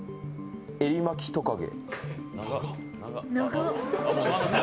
エリマキトカゲ。